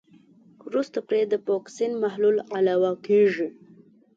وروسته پرې د فوکسین محلول علاوه کیږي.